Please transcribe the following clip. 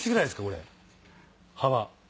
これ幅。